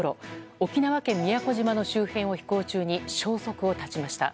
沖縄県宮古島の周辺を飛行中に消息を絶ちました。